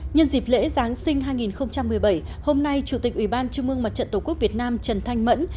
nhân dịp lễ giáng sinh hai nghìn một mươi bảy hôm nay chủ tịch ủy ban trung mương mặt trận tổ quốc việt nam trần thanh mẫn